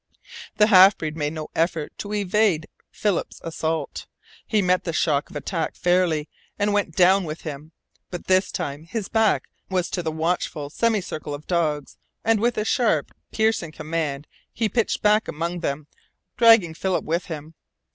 The half breed made no effort to evade Philip's assault. He met the shock of attack fairly, and went down with him. But this time his back was to the watchful semicircle of dogs, and with a sharp, piercing command he pitched back among them, dragging Philip with him.